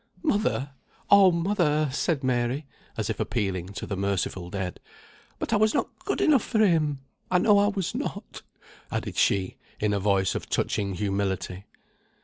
"Mother! oh mother!" said Mary, as if appealing to the merciful dead. "But I was not good enough for him! I know I was not," added she, in a voice of touching humility.